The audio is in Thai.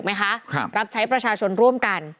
แฮปปี้เบิร์สเจทู